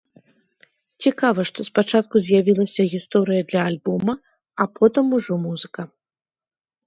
Цікава, што спачатку з'явілася гісторыя для альбома, а потым ужо музыка.